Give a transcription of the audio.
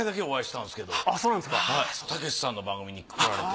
たけしさんの番組に来られて。